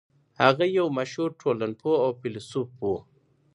هغه يو مشهور ټولنپوه او فيلسوف و.